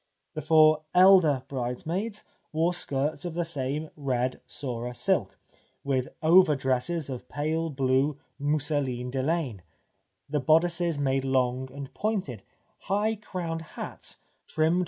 The four elder bridesmaids wore skirts of the same red Surah silk, with over dresses of pale blue mousseline de laine, the bodices made long and pointed ; high crowned hats trimmed with 256 TT"?